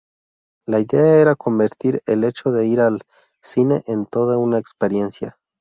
La idea era convertir el hecho de ir al cine en toda una experiencia.